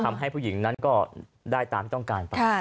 ทำให้ผู้หญิงนั้นก็ได้ตามที่ต้องการไป